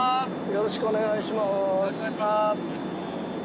よろしくお願いします